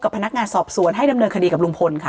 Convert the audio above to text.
พนักงานสอบสวนให้ดำเนินคดีกับลุงพลค่ะ